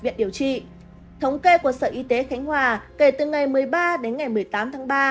thống kê của sở y tế khánh hòa kể từ ngày một mươi ba đến ngày một mươi tám tháng ba